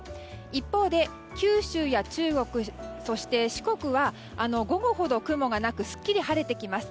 一方で九州や中国、四国は午後ほど雲がなくすっきり晴れてきます。